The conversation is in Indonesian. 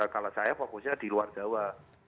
kalau saya fokusnya di luar jawa